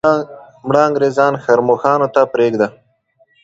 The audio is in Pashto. مړه انګریزان ښرموښانو ته پرېږده.